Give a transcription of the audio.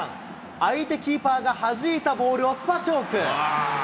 相手キーパーがはじいたボールをスパチョーク。